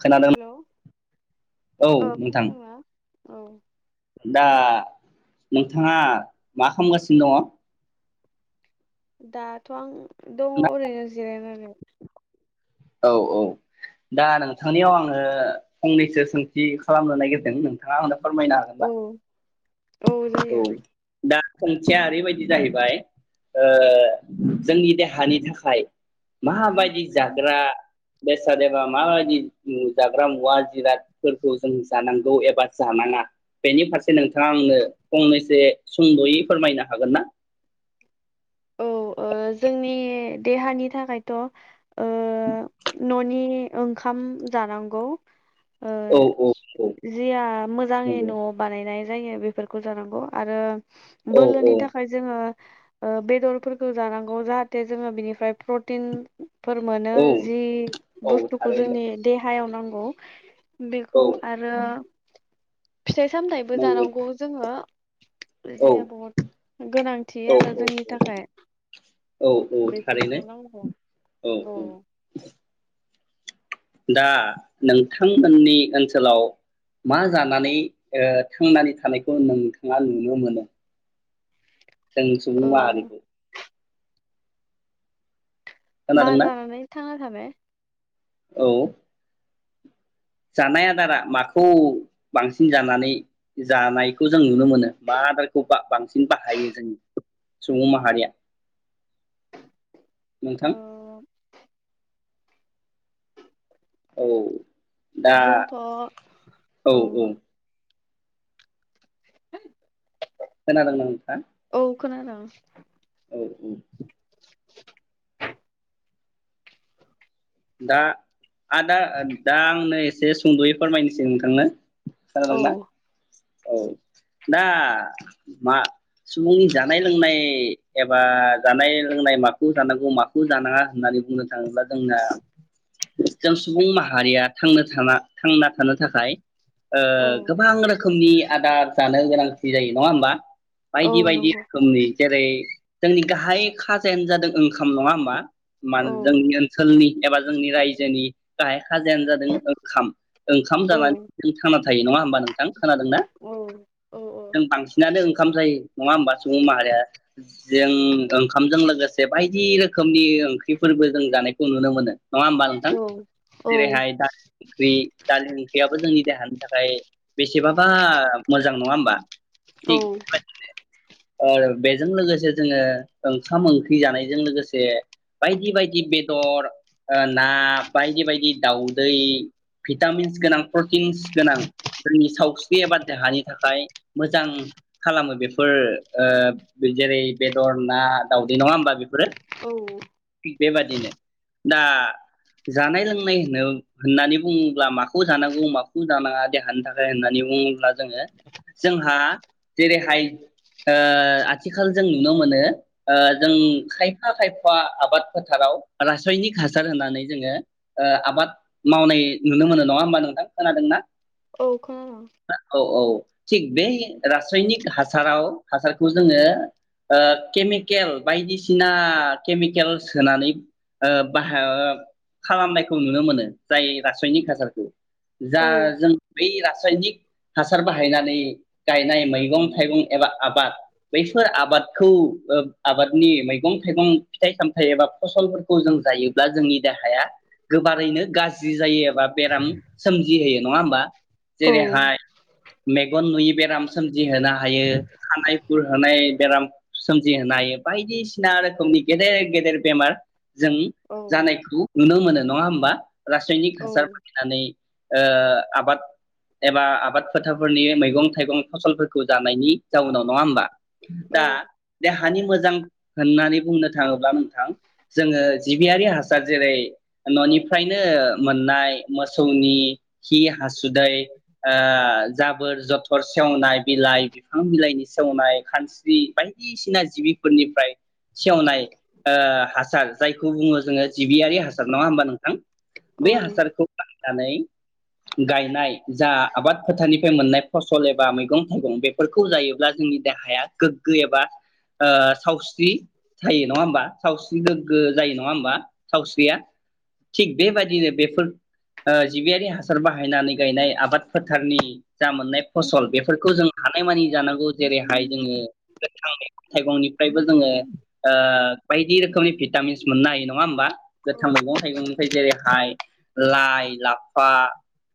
खोनादोंना हेलौ औ ओ नोंथां खोनादोंना औ दा नोंथांङा मा खालामगासिनो दङ? दाथ आं दङ ओरैनो जिरायनानै। औ औ दा नोंथांनियाव आङो फंनैसो सोंथि खालामनो नागिरदों नोंथांङा आंनो फोरमायनो हागोन औ ना? औ जायो। दा सोंथिया ओरैबायदि जाहैबाय ओ जोंनि देहानि थाखाय माबायदि जाग्रा बेसाद एबा माबायदि जाग्रा मुवा जिरादफोरखौ जों जानांगौ एबा जानाङा बेनि फारसे नोंथां दा आंनो फंनैसो सुंदयै फोरमायनो हागोन ना? औ ओ जोंनि देहानि थाखायथ ओ न'नि ओंखाम जानांगौ। ओ औ औ औ जिया मोजाङै नंगौ न'आव बानायनाय जायो बेफोरखौ जानांगौ आरो औ औ बोलोनि थाखाय जोंङो ओ बे बेदरफोरखौ जानांगौ जाहाथे जोंङो बिनिफ्राय प्रटिन फोर मोनो औ जि औ बुस्थुखौ थारैनो जोंनि देहायाव नंगौ औ बेखौ आरो फिथाइ सामथायाइबो नंगौ जानांगौ जोंङो। औ दैया बहुत गोनांथि औ आरो औ जोंनि औ थाखाय औ औ थारैनो बेफोरखौ नांगौ औ दा नोंथांमोननि ओनसोलाव मा जानानै ओ थांनानै थानायखौ नोंथाङा नुनो मोनो जोंनि सुबुं ओ माहारिखौ मा खोनादोंना जानानै थांना थादो? औ जानाय आदारा माखौ बांसिन जानानै जानायखौ जों नुनो मोनो मा आदारखौ बा-बांसिन बाहायो जों सुबुं माहारिया? ओ नोंथां औ दा जोंथ औ खोनादोंना नोंथां? औ खोनादों। दा आदा दा आंनो एसे सुंदयै फोरमायनोसै नोंथांनो। औ खोनादोंना औ दा मा सुबुंनि जानाय लोंनाय एबा जानाय लोंनाय माखौ जानांगौ माखौ जानाङा होननानै बुंनो थाङोब्ला जोंना जों सुबुं माहारिया थांनो थाना थांना थानो थाखाय ओ औ गोबां रोखोमनि आदार जानो गोनांथि जायो नङा होमबा? औ बायदि बायदि नंगौ रोखोमनि जेरै जोंनि गाहाय खाजायानो जादों ओंखाम नङा होमबा? मानो औ जोंनि ओनसोलनि एबा जोंनि रायजोनि गाहाय खाजायानो जादों ओंखाम ओंखाम औ जानानै जों थांना था यो नङा होमबा नोंथां खोनादोंनाा औ औ जों बांसिनानो ओंखाम जायो नङा होमबा सुबुं माहारिया जों ओंखामजों लोगोसे बायदि रोखोमनि ओंख्रिफोरबो जों जानायखौ नुनो मोनो। नङा होमबा नोंथां औ जेरैहाय दालिरि दालि ओंख्रियाबो जोंनि देहानि थाखाय बेसेबाबा मोजां नङा होमबा? औ औ बेजों लोगोसे जोङो ओंखाम ओंख्रि जानायजों लोगोसे बायदि बायदि बेदर ओ ना बायदि बायदि दाउदै भिटामिन्स गोनां प्रटिन्स गोनां जोंनि सावस्रि एबा देहानि थाखाय मोजां खालामो बेफोर ओ जेरै बेदर ना दाउदै नङा होमबा बेफोरो। औ बेबादिनो दा जानाय लोंनाय होनो होननानै बुङोब्ला माखौ जानांगौ माखौ जानाङा देहानि थाखाय होननानै बुङोब्ला जोङो जोंहा जेरैहाय ओ आथिखाल जों नुनो मोनो ओ जों औ खायफा खायफा आबाद फोथाराव रासायनिक हासार होननानै जोङो ओ आबाद मावनाय नुनो मोनो नङा होमबा नोंथां खोनादोंना? औ खोनादों औ औ थिग बेै रासायनिक हासाराव हासारखौ जोङो ओ केमिकेल बायदिसिना केमिकेल सोनानै ओ बाहाय ओ खालामनायखौ नुनो मोनो जाय रासायनिक हासारखौ जा औ जों बै रा रासायनिक हासार बाहायनानै गायनाय मैगं थाइगं एबा आबाद बैफोर आबादखौ आबादनि मैगं थाइगं फिथाइ सामथाइ एबा फसलफोरखौ जों जायोब्ला जोंनि देहाया गोबारैनो गाज्रि जायो एबा बेराम सोमजिहोयो नङा होमबा? औ जेरैहाय मेगन नुयो बेराम सोम जि होनो हायो खानायफोर होनाय बेराम सोमजिहोनो हायो बायदिसिना रोखोमनि गेदेर गेदेर बेमार जों औ जानायखौ नुनो मोनो नङा होनबा? रासायनिक हासार बानायनानै ओ आबाद एबा आबाद फोथारफोरनि मैगं थाइगं फसलफोरखौ जानायनि जाउनाव नङा होमबा? औ दा दा हानि मोजां होननानै बुंनो थाङोब्ला नोंथां जोङो। जिबियारि हासार जेरै ननिफ्रायनो ओ मोननाय मोसौनि खि हासुदै ओ जाबोर जथर सेवनाय बिलाइ बिफां बिलाइनि सेवनाय खानस्रि बायदिसिना जिबिफोरनिफ्राय सेवनाय ओ हासार जाय खौ बुङो जोङो जिबियारि हासार नङा होमबा नोंथां औ बे हासारखौ दानै गायनाय जा आबाद फोथारनिफ्राय मोननाय फसल एबा मैगं-थाइगं बेफोर खौ जायोब्ला जोंनि देहाया गोग्गो एबा ओ सावस्रि थायो नङा होमबा सावस्रि गोग्गो नङा होमबा सावस्रिया थिग बेबायदिनो बेफोर ओ जिबियारि हासार बाहायनानै गायनाय आबाद फोथारनि जा मोननाय फसल बेफोरखौ जों हान फ्रायमानि जानांगौ जेरैहाय जोङो [unintelligible] गोथां मे [unintelligible] थाइगंनिफ्रायबो जोङो ओ बायदि रोखोमनि बिस मोननो हायो नङा होमबा गोथां मैगं-थाइगंनिफ्राय जेरैहाय लाइ-लाफा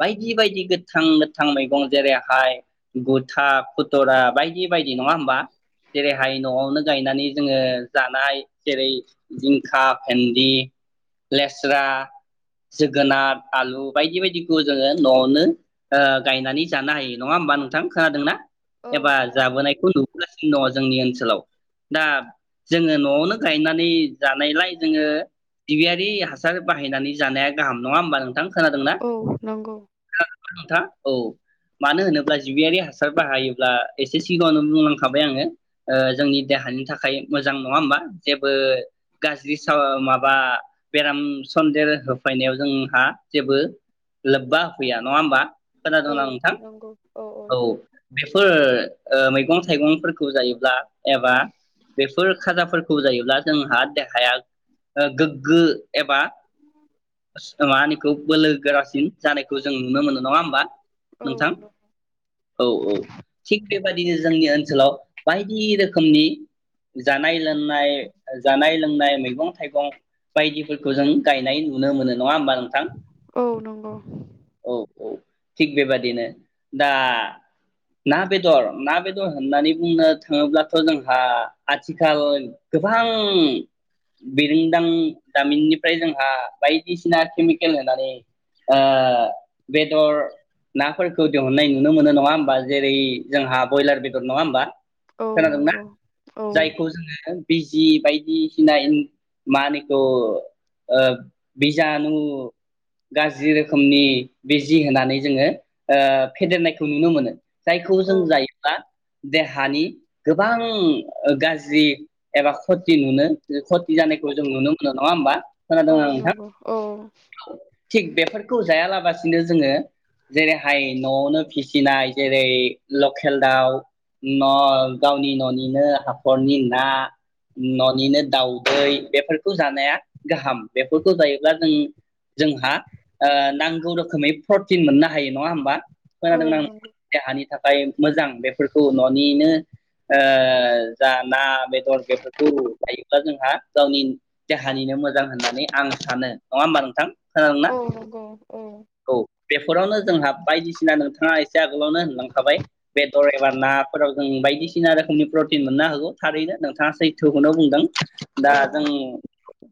बायदि बायदि गोथां-गोथां मैगं जेरैहाय गुथा खुथुरा बायदि बायदि नङा होमबा जेरैहाय न'आवनो गायनानै जोङो जानाय जेरै जिंखा, भेन्दि, लेस्रा, जोगोनार, आलु बायदि बायदिखौ जोङो न'आवनो ओ गायनानै जानो हायो नङा होमबा नोंथां खोनादोंना? औ एबा खोनादों जाबोनायखौ नुबोगासिनो दङ जोंनि ओनसो हेलौ दा जोङो नआवनो गायनानै जानायलाय जोङो जिबियारि हासार बाहायनानै जानाया गाहाम नङा होमबा नों थां खोनादोंना औ नंगौ खोनादों। [unintelligible] थां औ मानो होनोब्ला जिबियारि हासार बाहायोब्ला एसे सिगाङावनो बुंनांखाबाय आङो ओ जोंनि देहानि थाखाय मोजां नङा होमबा जेबो गाज्रि साव माबा बेराम सन्देर होफैनायाव जोंहा जेबो लोब्बा होफैया नङा होमबा औ खोनादोंना नोंथां नंगौ औ बेफोर ओ मैगं थाइगंफोरखौ जायोब्ला एबा बेफोर खाजाफोरखौ जायो। ब्ला जोंहा दे हाया ओ गोग्गो एबा मा निखौ बोलो गोरासिन जानायखौ जों नुनो मोनो नङा होमबा औ नोंथां औ औ थिग बे बेबायदिनो जोंनि ओनसोलाव बायदि रोखोमनि जानाय-लोनाय ओ जानाय लोंनाय मैगं-थाइगं बायदिफोरखौ जों गायनाय नुनो मोनो, नङा होमबा नोंथां औ नंगौ औ, औ थिग बेबादिनो दा ना बेदर ना बेदर होननानै बुंनो थाङोब्लाथ' जोंहा आथिखाल गोबां, बिरोंदां दामिननिफ्राय जोंहा बायदिसिना केमिकेल होनानै ओ बेदर नाफोरखौ दिहुननाय नुनो मोनो नङा होमबा जेरै जोंहा बयलार बेदर नङा होमबा, औ खोनादोंना? नंगौ औ जायखौ जोङो बिजि बायदि फिनायनि मानिखौ ओ बिजानु गाज्रि रोखोमनि बिजि होनानै जोङो ओ फेदेरनायखौ नुनो मोनो, जायखौ औ जों जायोब्ला, देहानि गोबां ओ गाज्रि एबा खथि नुनो, जोफद जानायखौ जों नुनो मोनो नङा होमबा खोनादों औ ना? नोंथां नंगौ औ औ थिग बेफोरखौ जायालाबसिनो जोङो जेरैहाय न'आवनो फिसिनाय जेरै लकेल दाउ न' गावनि न'निनो हाखरनि ना ननिनो, दाउदै बेफोरखौ जानाया गाहाम बेफोरखौ जायोब्ला जों जोंहा ओ नांगौ रोखोमै प्रटिन मोननो हायो नङा होमबा, औ खोनादोंना नों नंगौ देहानि थाख बाय मोजां बेफोरखौ ननिनो ओ जा ना बेदर बेफोरखौ लायो, जोंहा गावनि देहानिनो मोजां होननानै आं सानो नङा होमबा नोंथां, खोनादोंना? औ नंगौ औ औ बेफोरावनो जोंहा बायदिसिना नोंथाङा एसे आगोलावनो होनलांखाबाय बेदर एबा नाफोराव जों बायदिसिना रोखोमनि प्रटिन मोननो होगौ थारैनो नोंथाङा सैथोखौनो बुंदों, दा औ जों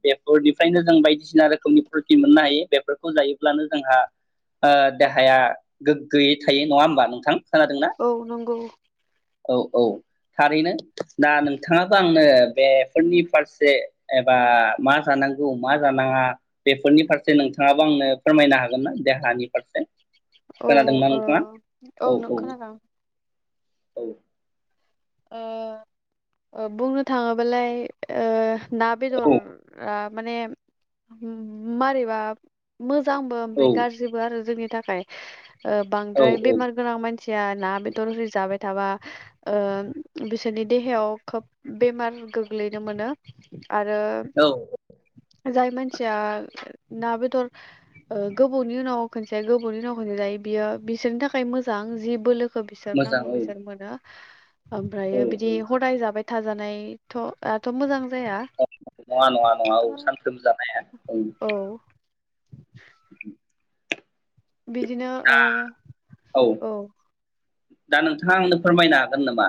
बेफोरनिफ्रायनो जों बायदिसिना रोखोमनि प्रटिन मोननो हायो बेफोरखौ जायोब्लानो जोंहा ओ देहाया गोग्गोयै थायो नङा होमबा नोंथां खोनादोंना उम औ नंगौ औ औ थारैनो दा नोंथाङाबो आंनो बे, फोरनि फारसे एबा मा जानांगौ मा जानाङा बेफोरनि फारसे नोंथाङाबो आंनो फोरमायनो हागोन ना देहानि फारसे, औ खोनादोंना ओ नोंथाङा औ नो खोनादों? औ ओ ओ बुंनो थाङोबालाय ओ ना, औ बेदरा माने मारैबा मो मोजांबो औ ओमफाय गाज्रिबो आरो जोंनि थाखाय ओ औ बांद्राय औ बेमार गोनां मानसि, सिया ना बेदर [unintelligible] जाबाय थाबा ओ, बिसोरनि देहायाव खोब बेमार गोग्लैनो मोनो, आरो, औ जाय मानसिया ना बेदर ओ गोबावनि उनाव खनसे गोबावनि उनाव खनसे जायो बियो बिसोरनि थाखाय मोजां जि बोलो, खो बिसोर मोजां नांगौ औ बिसोर मोनो, औ ओमफ्रायो बिदि औ हदाय जाबाय थाजानायथ थ आथ मोजां जाया नङा नङा नङा औ सानफ्रोमबो जानाय औ [inaudible] [inaudible] बिदिनो दा औ दा नोंथाङा आंनो फोरमायनो हागोन नामा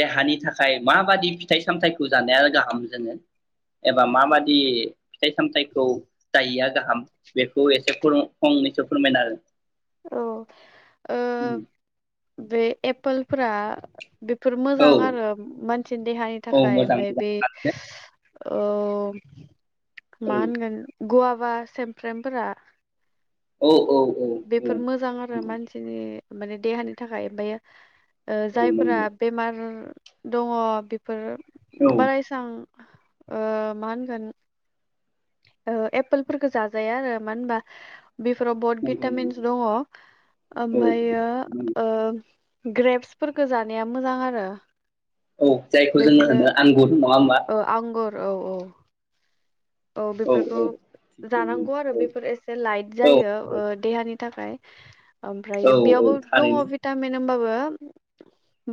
देहानि थाखाय माबादि फिथाइ सामथायाइखौ जानाया गाहाम जोङो एबा माबादि फिथाइ सामथायाइखौ जायिया गाहाम बेखौ एसे फंनैसो फोरमायनो हो औ उम ओ बे एपोलफोरा बेफोर औ मोजां आरो मानसिनि देहानि औ थाखाय मोजां ओमफ्राय मोजां बे थारैनो औ मा होनगोन गवा माबा समफ्रेमफोरा औ औ औ औ बेफोर मोजां आरो नंगौ मानसिनि माने देहानि थाखाय ओमफायो औ जायफोरा नंगौ बेमार दङ बेफोर औ बाराय सान ओ मा होनगोन एपोलफोरखौ जाजाया आरो मानो होनबा बेफोराव बहुत नंगौ नंगौ भिटामिन्स दङ औ ओमफ्रायो ओ ग्रेप्सफोरखौ जानाया मोजां आरो औ जायखौ जोङो बेफोरो होनो आंगुर नङा होमबा? ओ आंगुर औ औ औ बेफोरखौ थिग बेबायदिनो जानांगौ आरो बेफोर एसे लाइट औ जायो देहानि थाखाय। ओमफ्रायो औ औ बेयावबो दङ थारैनो भिटामिन होमबाबो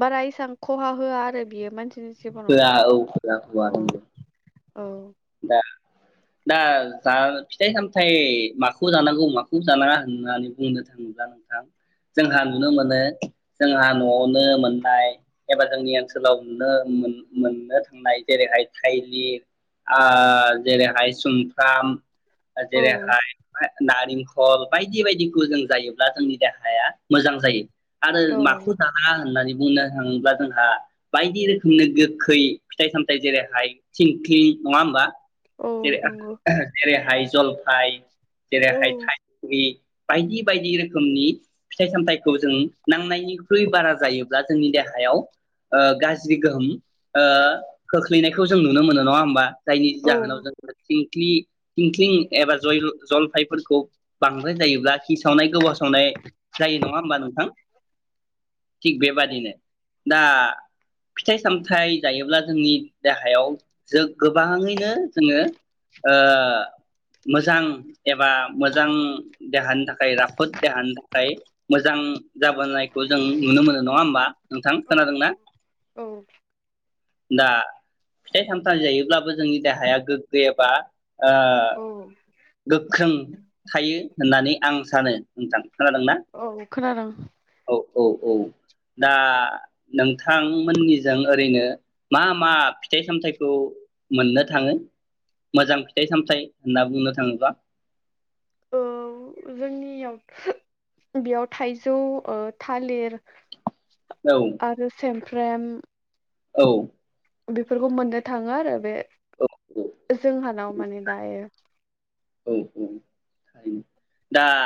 बारा इसेबां खहा होआ आरो बियो मानसिनि जिबनाव होवा औ होवा होवा औ औ दा जा फिथाइ सामथायाइ माखौ जानांगौ माखौ जानाङा होननानै बुंनो थाङोब्ला नोंथां जोंहा नुनो मोनो जोंहा नआवनो मोननाय एबा जोंनि ओनसोलाव नुनो मोननो थांनाय जेरैहाय थाइलिर जेरैहाय सुमफ्राम औ जेरैहाय नारेंखल बायदि बायदिखौ जों जायोब्ला जोंनि देहाया मोजां जायो। आरो औ माखौ जानाङा होननानै बुंनो थाङोब्ला जोंहा बायदि रोखोमनि गोखै फिथाइ सामथायाइ जेरैहाय थिंख्लिं नङा होमबा? औ जेरै नंगौ जेरैहाय जलफाइ औ जेरैहाय थाइसुरि बायदि बायदि रोखोमनि फिथाइ सामथाइखौ जों नांनायनिख्रुइ बारा जायोब्ला जोंनि देहायाव ओ गाज्रि गोहोम ओ खोख्लैनायखौ जों नुनो मोनो नङा होमबा? जायनि औ जाहोनाव जों [unintelligible] ख्लि थिंख्लिं एबा जायल जलफायफोर खौ बांद्राय जायोब्ला खिसावनाय गोबावसावनाय जायो नङा होमबा नोंथां? थिक बेे बादिनो। दा फिथाइ सामथाइ जायोब्ला जोंनि देहायाव जों गोबाङैनो जोङो ओ मोजां एबा मोजां देहानि थाखाय राफोद देहानि थाखाय मोजां जाबोनायखौ जों नुनो मोनो नङा होमबा नोंथां औ खोनादों ना? औ दा फिथाइ सामथाय जायो ब्लाबो जोंनि देहाया गोग्गो एबा ओ औ गोख्रों थायो। होननानै आं सानो नोंथां। खोनादोंना औ खोनादों। औ औ औ दा नोंथांमोननिजों ओरैनो मा मा फिथाइ सामथाइखौ मोननो थाङो मोजां फिथाइ सामथायाइ होनना बुंनो थाङोबा औ जोंनियाव बेयाव थाइजौ ओ थालिर औ आरो सेम फ्रेम औ बेफोरखौ मोननो थाङो आरो बे औ जोंहानाव माने दायो। औ औ दा